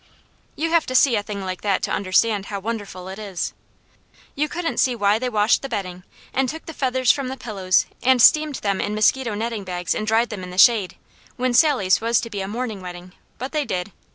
You have to see a thing like that to understand how wonderful it is. You couldn't see why they washed the bedding, and took the feathers from the pillows and steamed them in mosquito netting bags and dried them in the shade, when Sally's was to be a morning wedding, but they did.